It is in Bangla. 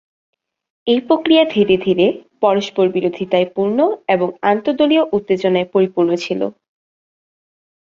এই প্রক্রিয়া ধীরে ধীরে, পরস্পরবিরোধীতায় পূর্ণ এবং আন্তঃদলীয় উত্তেজনায় পরিপূর্ণ ছিল।